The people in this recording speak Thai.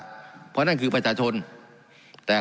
การปรับปรุงทางพื้นฐานสนามบิน